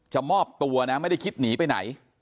มอบตัวนะไม่ได้คิดหนีไปไหน